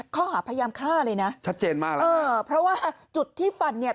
ข้อหาพยายามฆ่าเลยนะชัดเจนมากแล้วเออเพราะว่าจุดที่ฟันเนี่ย